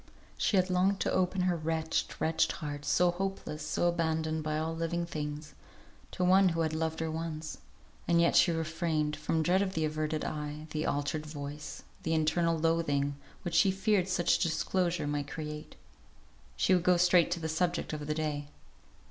For she longed to open her wretched, wretched heart, so hopeless, so abandoned by all living things, to one who had loved her once; and yet she refrained, from dread of the averted eye, the altered voice, the internal loathing, which she feared such disclosure might create. She would go straight to the subject of the day.